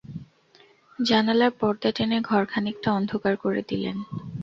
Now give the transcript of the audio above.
জানালার পর্দা টেনে ঘর খানিকটা অন্ধকার করে দিলেন।